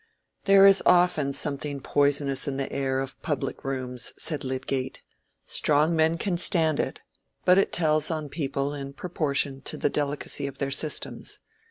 "There is often something poisonous in the air of public rooms," said Lydgate. "Strong men can stand it, but it tells on people in proportion to the delicacy of their systems.